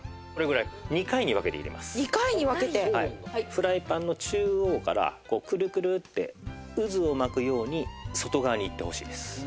フライパンの中央からクルクルって渦を巻くように外側にいってほしいです。